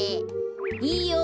いいよ。